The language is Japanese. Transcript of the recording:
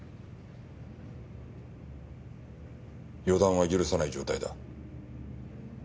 予断は許さない状態だ。